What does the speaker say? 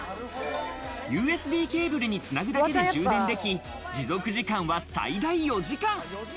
ＵＳＢケーブルにつなぐだけで充電でき、持続時間は最大４時間。